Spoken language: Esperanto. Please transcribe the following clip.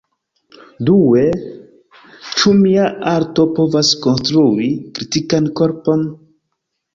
Due: Ĉu mia arto povas konstrui "kritikan korpon"?